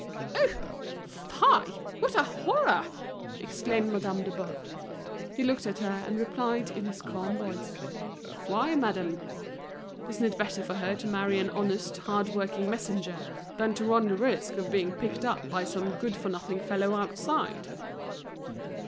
"Oh! fie! what a horror!" exclaimed Madame de Boves. He looked at her, and replied in his calm voice: "Why madame? Isn't it better for her to marry an honest, hard working messenger than to run the risk of being picked up by some good far nothing fellow outside?"